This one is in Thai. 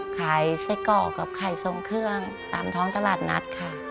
ขายไส้กรอกกับไข่ทรงเครื่องตามท้องตลาดนัดค่ะ